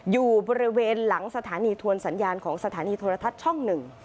อยู่บริเวณหลังสถานีทวนสัญญาณของสถานีโทรทัศน์ช่องหนึ่ง